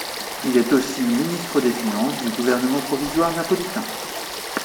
Il est aussi ministre des finances du Gouvernement provisoire napolitain.